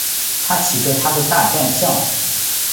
他骑着他的大战象。